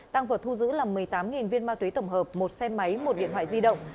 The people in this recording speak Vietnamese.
tăng vật thu giữ là một mươi tám viên ma túy tổng hợp một xe máy một điện thoại di động